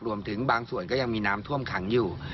รวมถึงบางส่วนก็ยังมีน้ำท่วมขังอยู่